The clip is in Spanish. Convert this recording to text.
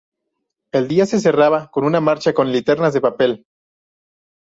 El día se cerraba con una marcha con linternas de papel.